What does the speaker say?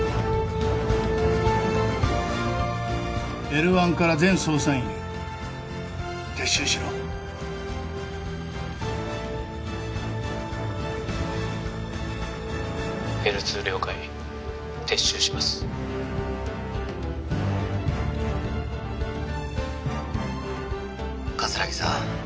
Ｌ１から全捜査員へ撤収しろＬ２了解撤収します葛城さん